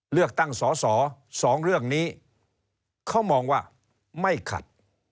เลือกตั้งสอสอ๒เรื่องนี้เขามองว่าไม่ขัด